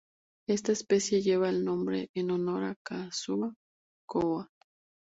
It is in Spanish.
Esta especie lleva el nombre en honor a Kazuo Koba.